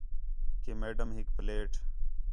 کہ میڈم ہِک پلیٹ